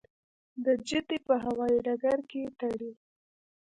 د جدې په هوايي ډګر کې تړي.